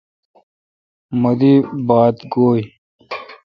مہ دی بات گوئ۔